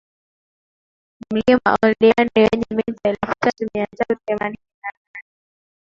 Mlima Oldeani wenye mita elfu tatu mia moja themanini na nane